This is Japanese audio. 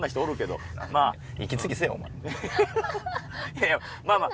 いやいやまあまあ。